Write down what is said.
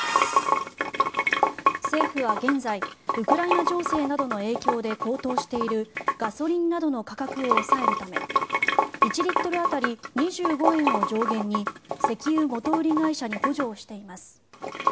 政府は現在ウクライナ情勢などの影響で高騰しているガソリンなどの価格を抑えるため１リットル当たり２５円を上限に石油元売り会社に補助をしています。